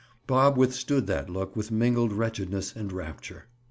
Bob withstood that look with mingled wretchedness and rapture.